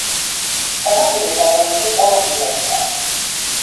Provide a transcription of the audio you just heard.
სანაპირო დაბალი და ჭაობიანია.